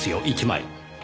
１枚。